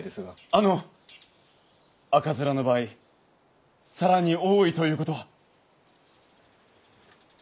あの赤面の場合更に多いということは？